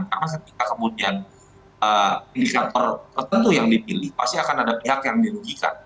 kemudian indikator tertentu yang dipilih pasti akan ada pihak yang dilugikan